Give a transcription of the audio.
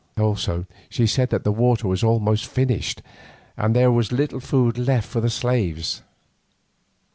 Also she said that the water was almost finished, and there was little food left for the slaves.